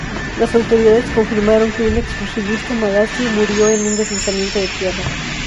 Las autoridades confirmaron que un excursionista malasio murió en un deslizamiento de tierra.